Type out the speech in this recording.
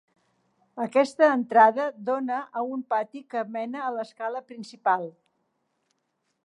Aquesta entrada dóna a un pati que mena a l'escala principal.